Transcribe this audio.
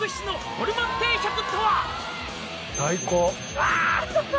うわ！